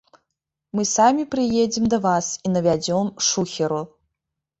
Мы самі прыедзем да вас і навядзем шухеру!